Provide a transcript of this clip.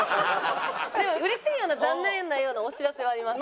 でもうれしいような残念なようなお知らせはあります。